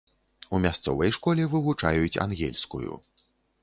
У мясцовай школе вывучаюць ангельскую.